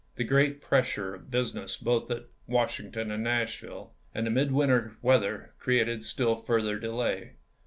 The great pressure of business both at Washington and Nashville and the mid winter weather created still further delay.